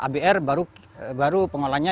abr baru pengolahannya